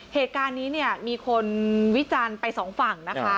เหตุการณ์นี้มีคนวิจารณ์ไป๒ฝั่ง